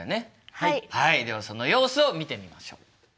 はいではその様子を見てみましょう。